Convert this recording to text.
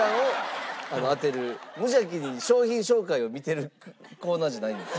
無邪気に商品紹介を見てるコーナーじゃないんですよ。